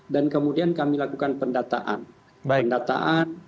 dan kemudian kami lakukan pendataan